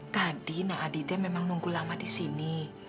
tadi nak aditya memang nunggu lama disini